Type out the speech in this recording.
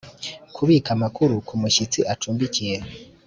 Kubika amakuru ku mushyitsi acumbikiye